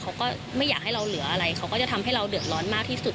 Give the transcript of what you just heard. เขาก็ไม่อยากให้เราเหลืออะไรเขาก็จะทำให้เราเดือดร้อนมากที่สุด